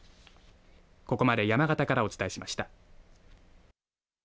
ここまで山形からお伝えしました。